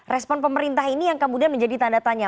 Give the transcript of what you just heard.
respon pemerintah ini yang kemudian menjadi tanda tanya